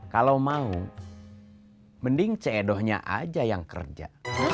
kalau mau mending ce edonya aja yang kerja